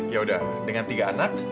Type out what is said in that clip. yaudah dengan tiga anak